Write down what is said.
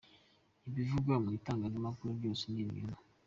Ibivugwa mu itangazamakuru byose ni ibinyoma.